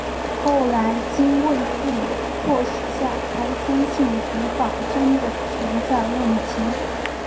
后来经卫斯理的迫使下才相信古堡真的存在问题。